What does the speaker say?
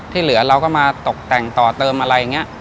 ที่เหลือเราก็มาตกแต่งต่อเติมอะไรเงี่ย